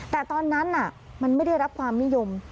แต่ตอนนั้นมันไม่ได้รับความนิยม